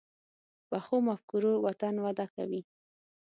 پخو مفکورو وطن وده کوي